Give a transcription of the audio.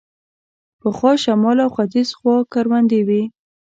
پخوا شمال او ختیځ خوا کروندې وې.